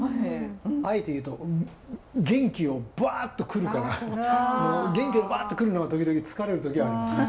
あえて言うと元気をブワッと来るから元気をブワッて来るのが時々疲れる時はありますね。